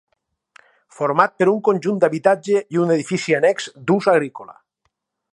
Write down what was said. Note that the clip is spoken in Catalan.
Format per un conjunt d'habitatge i un edifici annex d'ús agrícola.